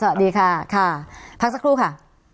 สวัสดีค่ะค่ะพักสักครู่ค่ะ